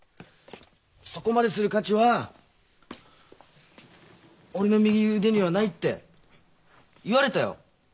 「そこまでする価値は俺の右腕にはない」って言われたよ